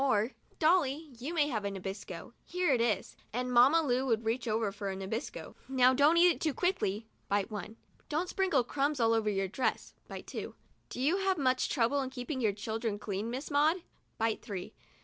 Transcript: Or, 'Dolly, you may have a Nabisco. Here it is," and Mamma Lu would reach over for a Nabisco. "Now, don't eat it too quickly" (bite one). " Don't sprinkle the crumbs all over your dress ' (bite two). "Do you have much trouble in keeping your children clean, Miss Maud ?" (bite three).